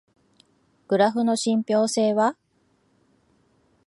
グラフの信憑性は？